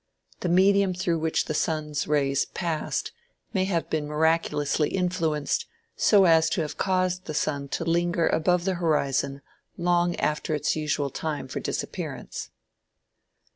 The medium through which the sun's rays passed may have been miraculously influenced so as to have caused the sun to linger above the horizon long after its usual time for disappearance."